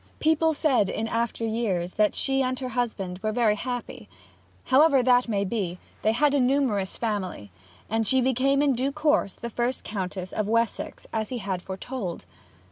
People said in after years that she and her husband were very happy. However that may be, they had a numerous family; and she became in due course first Countess of Wessex, as he had foretold.